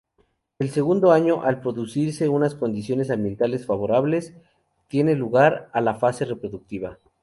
El segundo año, al producirse unas condiciones ambientales favorables, tiene lugar la fase reproductiva.